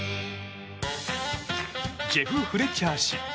ジェフ・フレッチャー氏。